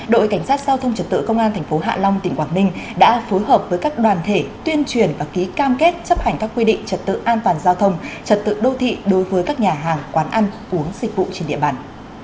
đội cảnh sát giao thông trật tự công an tp hạ long tỉnh quảng ninh đã phối hợp với các đoàn thể tuyên truyền và ký cam kết chấp hành các quy định trật tự an toàn giao thông trật tự đô thị đối với các nhà hàng quán ăn uống dịch vụ trên địa bàn